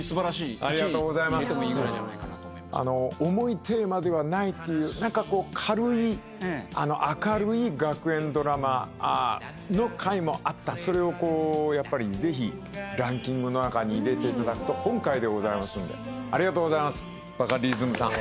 １位入れてもいいぐらい重いテーマではないというなんかこう軽い明るい学園ドラマの回もあったそれをやっぱりぜひランキングの中に入れていただくと本懐でございますんでありがとうございますバカリズムさん